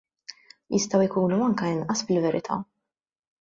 Jistgħu jkunu anke inqas fil-verità.